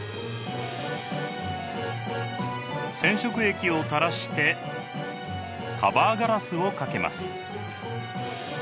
染色液をたらしてカバーガラスをかけます。